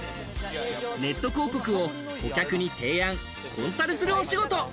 ネット広告を顧客に提案、コンサルするお仕事。